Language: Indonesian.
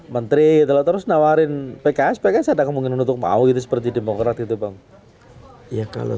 menteri kalau terus nawarin pks pks ada kemungkinan untuk mau gitu seperti demokrat gitu bang ya kalau